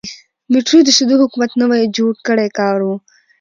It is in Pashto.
میټرو د سعودي حکومت نوی جوړ کړی کار و.